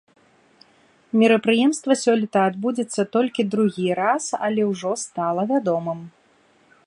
Мерапрыемства сёлета адбудзецца толькі другі раз, але ўжо стала вядомым.